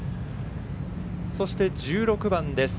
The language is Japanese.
そして１６番です。